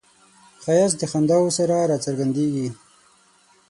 ښایست د خنداوو سره راڅرګندیږي